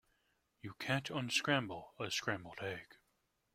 You can't unscramble a scrambled egg.